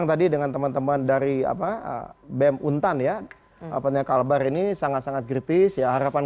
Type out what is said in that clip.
dari dengan teman teman dari bem untan ya pontianakalbar ini sangat sangat kritis ya harapan